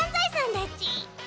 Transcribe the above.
だち。